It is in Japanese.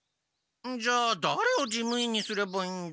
じゃあだれを事務員にすればいいんだ？